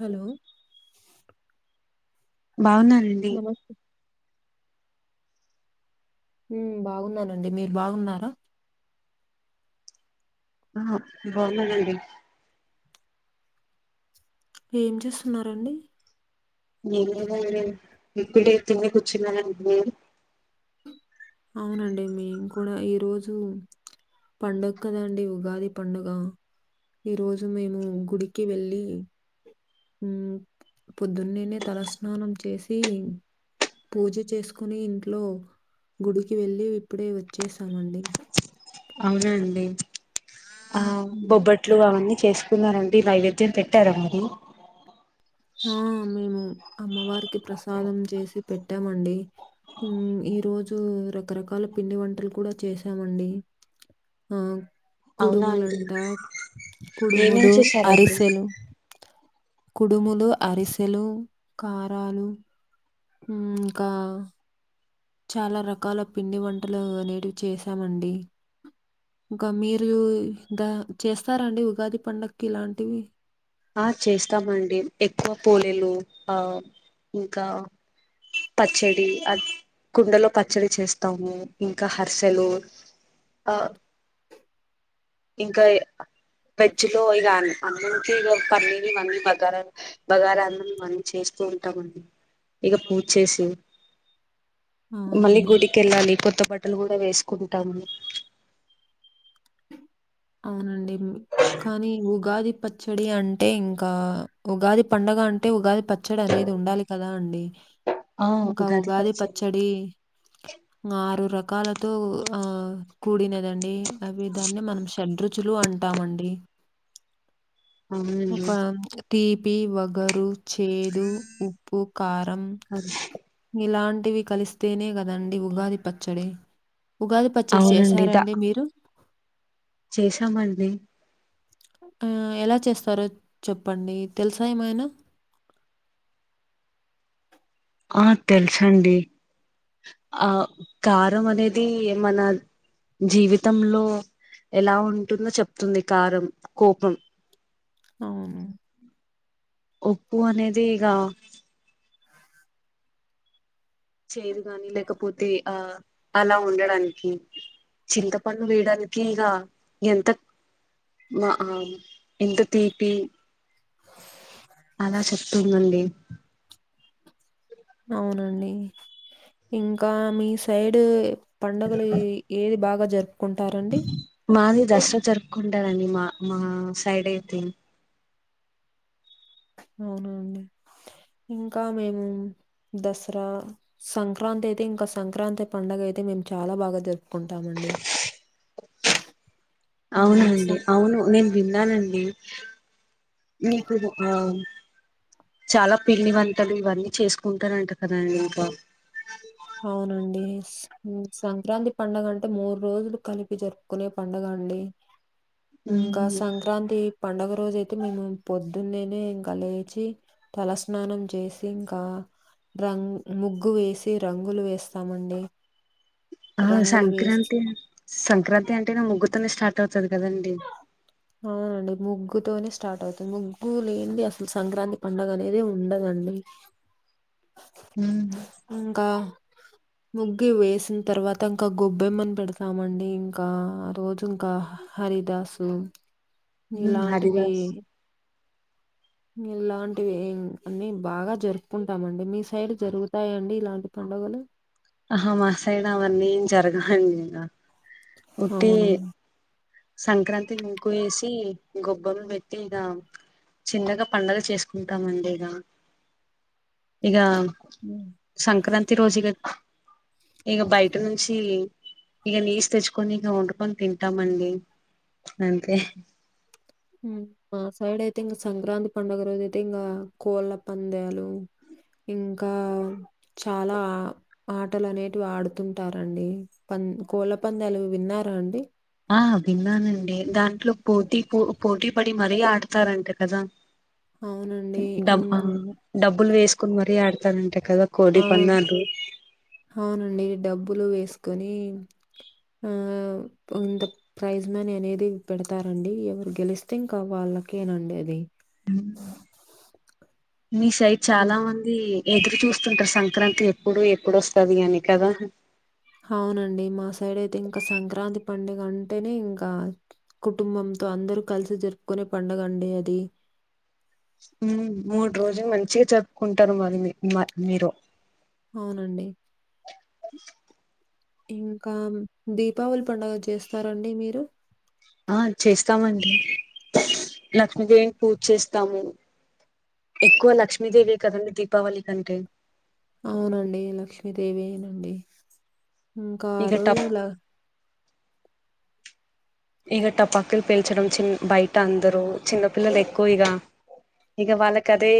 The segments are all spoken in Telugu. హలో బాగున్నా నమస్తే ఉమ్మ్ బాగున్నానండి మీరు బాగున్నారా ఆ బాగున్నానండి ఏం చేస్తున్నారండి నేను కూడా [inaudible] ఇప్పుడే తిని కూర్చున్నానండి మీరు అవునండి మేం కూడా ఈ రోజు పండుగ కదా అండి ఉగాది పండుగ ఈరోజు మేము గుడికి వెళ్ళి ఉమ్ పొద్దున్నేనే తలస్నానం చేసి పూజ చేసుకొని ఇంట్లో గుడికి వెళ్ళి ఇప్పుడే వచ్చేసామండి అవునండి ఆ ఉమ్. బొబ్బట్లు అవన్నీ చేస్ కున్నారా అండి డి నైవేద్యం పెట్టారా మరి ఆ మేము అమ్మవారికి ప్రసాదం చేసి పెట్టామండి ఈ రోజు రకరకాల పిండి వంటలు కూడా చేసామండి ఆ అవునా అండి కుడుములంట ఏమేం కుడుములు చేశారండి అరిసెలు కుడుములు అరిసెలు కారాలు ఉమ్ ఇంకా చాలా రకాల పిండి వంటలు అనేటివి చేశామండి ఇంకా మీరు ద చేస్తారా అండి ఉగాది పండక్కి ఇలాంటివి ఆ చేస్తామండి ఎక్కువ పోలెలు ఆ ఇంకా పచ్చడి కుండలో పచ్చడి చేస్తాము ఇంకా హర్సెలు ఆ ఇంకా పెచ్చిలో ఇగ [inaudible] ఇగ పన్నీని ఇమన్నీ బగారాలు బాగారా అన్నం మనం చేస్తూ ఉంటామండి ఇగ పూజ చేసి మళ్ళీ అవునండి గుడికెళ్ళాలి కొత్త బట్టలు కూడా వేసుకుంటాము అవునండి మ్ కానీ ఉగాది ప చ్చడి అంటే ఇంకా ఉగాది పండగ అంటే ఉగాది పచ్చడి అనేది ఉండాలి కదా అండి ఇంకా ఉగాది పచ్చడి ఆరు రకాలతో ఆ కూడినదండి అవి దాన్ని మనం [inaudible] షడ్ రుచులు అంటామండి అవునండి ఒక తీపి వగరు చేదు ఉప్పు కారం [unintelligible] ఇలాంటివి కలిస్తేనే కదండి ఉగాది పచ్చడి ఉగాది పచ్చడి అవునండి చేశారా అండి మీరు చేశాం అండి ఆ ఎలా చేస్తారో చెప్పండి తెలుసా ఏమైనా ఆ తెలుసండి జీవితంలో ఎలా ఉంటుందో చెప్తుంది కారం కోపం అవును ఉప్పు అనేది ఇగ చేదు గానీ లేకపోతే ఆ అలా ఉండడానికి చింతపంపడు వేయడానికి ఇగ ఎంత మా ఆం ఎంత తీపి అలా చెప్తుందండి అవునండి ఇంకా మీ సైడు పండగలు ఏది బాగా జరుపుకుంటారండి మాది దసరా జరుపుకుంటారండి మా మా సైడ్ అయితే అవునా అండి ఇంకా మేము దసరా సంక్రాంతి అయితే ఇంక సంక్రాంతి పండుగ అయితే మేము చాలా బాగా జరుపుకుంటాం అండి ఉమ్, అవునండి సం- అవును నేను విన్నానండి మీకు ఆ చాలా పిండి వంటలు ఇవన్నీ చేసుకుంటారంట కదండి ఇంకా అవునండి సంక్రాంతి పండుగ అంటే మూడు రోజులు కలిపి జరుపుకునే పండుగ అండి ఇంకా సం ఉమ్ సంక్రాంతి పండుగ రోజు అయితే మేము పొద్దున్నేనే ఇంక లేచి తలస్నానం చేసి ఇంకా రంగ్ ముగ్గు వేసి రంగులు వేస్తామండి ఆ రంగులు వేసి సంక్రాంతి సంక్రాంతి అంటేనే ముగ్గుతోనే స్టార్ట్ అవుతది కదండి అవునండి ముగ్గుతోనే స్టార్ట్ అవుతుంది ముగ్గు లేంది అసలు సంక్రాంతి పండుగ అనేదే ఉండదండి మ్ ఇంకా ముగ్గు వేసిన్ తర్వాత ఇంకా గొబ్బెమ్మని పెడతామండి ఇంకా ఆ రోజు ఇంకా హరిదాసు ఉమ్ ఇలాంటివి హరిదాస్ ఇలాంటివి అన్ని బాగా జరుపుకుంటామండి మీ సైడ్ జరుగుతాయండి ఇలాంటి పండుగలు అహా మా సైడ్ అవన్నీ ఏం జరగవండి ఇంగా అవును సంక్రాంతి ముగ్గు ఏసి గొబ్బెం పెట్టి ఇగా చిన్నగా పండగ చేసుకుంటామండి ఇగా ఇగా సంక్రాంతి రోజు ఇగ ఇగ బయట నుంచి ఇగ నీస్ తెచ్చుకొని ఇగ వండుకొని తింటామండి అంతే మా సైడ్ అయితే ఇంగ సంక్రాంతి పండుగ రోజైతే ఇంగా కోళ్ళ పందాలు ఇంకా చాలా ఆటలు అనేటివి ఆడుతుంటారండి పం కోళ్ళ పంద్యాలు విన్నారా అండి ఆ విన్నానండి దాంట్లో పోటీ పో పోటీ పడి మరీ ఆడతారంట కదా అవునండి డబ్ ఆ, మ్ డబ్బులు వేసుకుని మరీ ఆడతరంట కదా ఆ, కోడి పంద్యాలు అవునండి డబ్బులు వేసుకొని ఆ కొంత ప్రైజ్ మనీ అనేది పెడతారండి ఎవరు గెలిస్తే ఇంక వాళ్ళకేనండి అది మీ సైడ్ చాలా మంది ఎదురు చూస్తుంటరు సంక్రాంతి ఎప్పుడు ఎప్పుడొస్తాది అని కదా హావునండి మా సైడ్ అయితే ఇంకా సంక్రాంతి పండుగ అంటేనే ఇంకా కుటుంబంతో అందరు కలిసి జరుపుకునే పండుగ అండి అది మ్ మూడు రోజులు మంచిగ జరుపుకుంటారు మరి మి మ మీరు అవునండి ఇంకా దీపావళి పండుగ చేస్తారండి మీరు ఆ చేస్తామండి లక్ష్మీదేవిని పూజ చేస్తాము ఎక్కువ లక్ష్మీదేవే కదండి దీపావళికి అంటే అవునండి లక్ష్మీదేవియె నండి ఇంక ఆ ఇక రోజు టప్ ల ఇగ టపాకులు పేల్చడం చిన్ బయట అందరు చిన్నపిల్లలు ఎక్కువ ఇగ ఇగ వాళ్ళకి అదే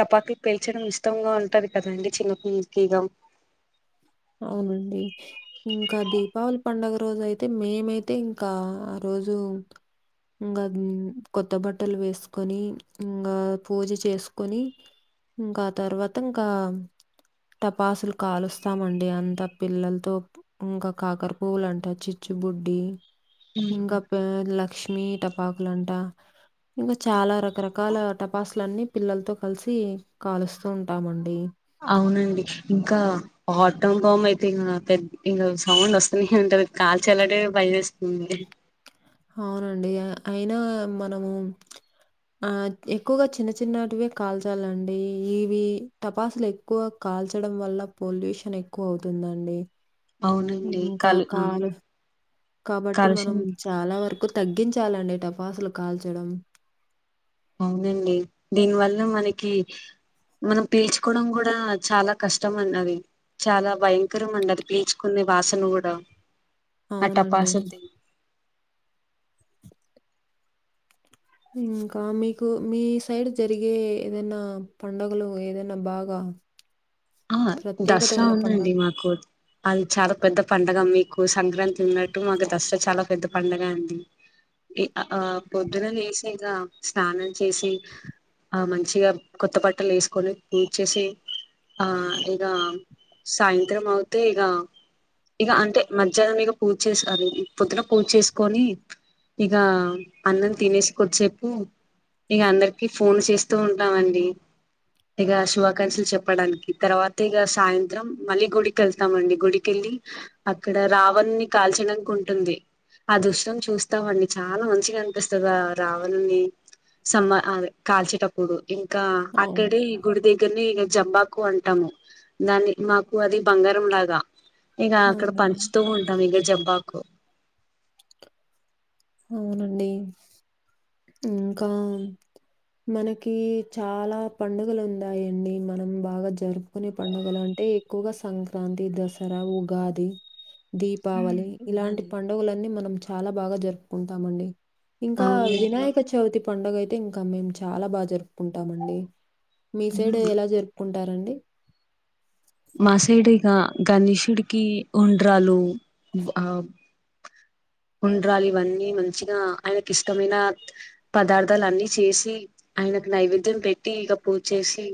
టపాకులు పేల్చడం ఇష్టంగా ఉంటది కదండి చిన్నపిల్లలకి ఇగ అవునండి ఇంక దీపావళి పండుగ రోజైతే మేమైతే ఇంకా ఆ రోజు ఇంగా కొత్త బట్టలు వేసుకొని ఇంగా పూజ చేసుకొని ఇంకా తర్వాత ఇంకా టపాసులు కాలుస్తామం డి అంత పిల్లలతో ఇంక కాకర పువ్వులు అంట చిచ్చుబుడ్డి ఇంక మ్మ్ ప లక్ష్మి టపాకులు అంటా ఇంగ చాలా రకరకాల టపాసులన్నీ పిల్లలతో కలిసి కాలుస్తూ ఉంటామండి అవునండి ఇంకా ఆటం బాంబ్ అయితే ఇంగా పెద్ ఇంగ సౌండ్ వస్తనే ఉంటది కాల్చలంటనే భయం ఎస్తుంది అవునండి అయినా మనము ఆ ఎక్కువగా చిన్న చిన్నాటివే కాల్చాలండి ఇవి టపాసులు ఎక్కువ కాల్చడం వల్ల పొల్యూషన్ ఎక్కువ అవుతుందండి అవునండి ఇంకా కాలు ఆ కాలం కాబట్టి కాలుష్యం మనం చాలా వరకు తగ్గించాలండి టపాసులు కాల్చడం అవునండి దీని వల్ల మనకి మనం పీల్చుకోడం కూడా చాలా కష్టం అండి అది చాలా భయంకరం అండి అది పీల్చుకునే వాసన కూడా ఆ అవునండి. టపాసుల్ది ఇంకా మీకు మీ సైడ్ జరిగే ఏదైన పండగలు ఏదైన బాగా ఆ ప్రత్యేకత దసరా ఉన్న పండగ ఉందండి మాకు అది చాలా పెద్ద పండగ మీకు సంక్రాం తున్నట్టు మాకు దసర చాలా పెద్ద పండగా అండి ఇ అ ఆ పొద్దున లేసి ఇగా స్నానం చేసి ఆ మంచిగా కొత్త బట్టలు ఎసుకొని పూజ చేసి ఆ ఇగా సాయంత్రం అవుతే ఇగా ఇగా అంటె మధ్యాహ్నం ఇగ పూజ చేస్ అది పొద్దున పూజ చేసుకొని ఇగా అన్నం తినేసి కొద్దిసేపు ఇగ అందరికి ఫోన్ చేస్తూ ఉంటామండి ఇగ శుభాకాంక్షలు చెప్ ప్పడానికి తర్వాత ఇగ సాయంత్రం మళ్ళీ గుడికి ఎళ్తామండి గుడికెళ్ళి అక్కడ రావణుణ్ణి కాల్చడానికి ఉంటుంది ఆ దృశం చూస్తామండి చాలా మంచిగా అనిపిస్తుంది రావణుణ్ణి సమ్మా అదె కాల్చేటప్పుడు ఇంకా అవును. అక్కడే ఈ గుడి దగ్గర్నె ఇగ జంబాకు అంటాము దాన్ని మాకు అది బంగారం లాగా ఇగా అక్కడ అవునండి. పంచుతూ ఉంటాం ఇగ జంబాకు అవునండి ఇంకా మనకి చాలా పండుగలు ఉన్నాయండి మనం బాగా జరు కునే పండగలు అంటే ఎక్కువగా సంక్రాంతి దసరా ఉగాది దీపావళి ఇలాంటి ఉగాది పండుగలన్నీ మనం చాలా బాగా జరుపుకుంటాం అండి ఇంకా అవునండి. వినాయక చవితి పండుగ అయితే ఇంకా మేము చాలా బాగా జరుపుకుంటామండి మీ సైడ్ ఎలా జరుపుకుంటారండి మా సైడ్ ఇగా గణేషుడికి ఉండ్రాలు ఆ ఉండ్రాలు ఇవన్నీ మంచిగా ఆయనకి ఇష్టమైనా పదార్థాలు అన్నీ చేసి ఆయనకు నైవేద్యం పెట్టి ఇగ పూజ చేసి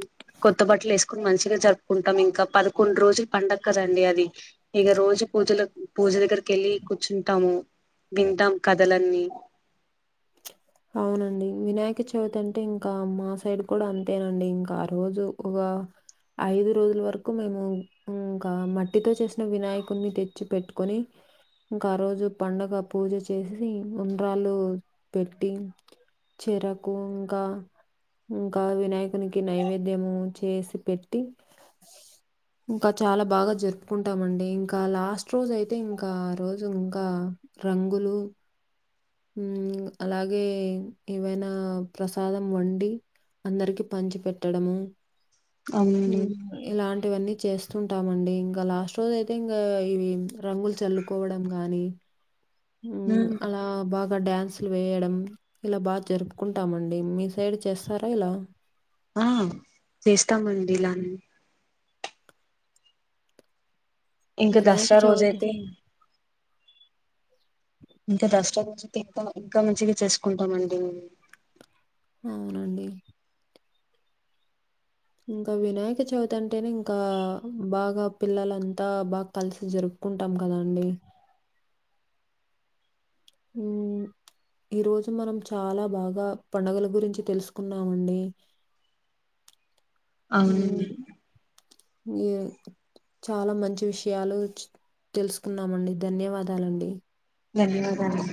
కొత్త బట్టలు ఏసుకొని మంచిగా జరుపుకుంటాం ఇంకా పదకొండు రోజులు పండగ కదండి అది ఇగ రోజు పూజలక్ పూజ దగ్గరికి ఎళ్ళి కూర్చుంటాము వింటాం కథలన్నీ అవునండి వినాయక చవితి అంటే ఇంకా మా సైడ్ కూడ అంతేనండి ఇంకా ఆ రోజు ఒకా ఐదు రోజుల వరకు మేము ఇంకా మట్టితో చేసిన వినాయకుడిని తెచ్చి పెట్టుకొని ఇంక ఆ రోజు పండగ పూజ చేసేసి ఉండ్రాలు టి చెరకు ఇంకా ఇంకా వినాయకునికి నైవేద్యము చేసి పెట్టి ఇంక చాలా బాగా జరుపుకుంటామండి ఇంకా లాస్ట్ రోజైతే ఇంకా ఆ రోజు ఇంకా రంగులు ఉమ్ అలాగే ఏవైనా ప్రసాదం వండి అందరికి పంచి పెట్టడము అవునండి ఇలాంటివన్నీ చేస్తుంటామండి ఇంకా లాస్ట్ రోజు అయితే ఇంగా ఇవి రంగుల్ చల్లు కొడం గానీ ఉ ఉమ్ అలా ఆ బాగా డ్యాన్సులు వేయడం ఇలా బాగా జరుప్కుంటామండి మీ సైడ్ చేస్తారా ఇలా ఆ చేస్తామండి ఇలా అని ఇంకా వినాయక దసరా రోజ చవితి అయితే ఇంకా దస్రా తే ఇంకా మంచిగా చేస్కుంటామండి అవునండి ఇంకా వినాయక చవితి అంటేనే ఇంకా బాగా పిల్లలంతా బా కలిసి జరుకు కుంటాం కదా అండి ఊ ఈ రోజు మనం చాలా బాగా పండుగల గురించి తెలుసుకున్నామండి. అవునండి హ్మ్. చాలా మంచి విష్యాలు తెల్సుకున్నామండి ధన్యవాదాలండి ధన్యవాదాలండి